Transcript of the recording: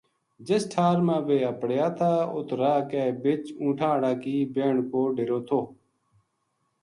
جس ٹھار ما ویہ اَپڑیا تھا اُت راہ کے بِچ اونٹھاں ہاڑا کی بہن کو ڈیرو تھو